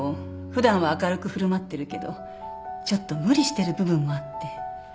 普段は明るく振る舞ってるけどちょっと無理してる部分もあって。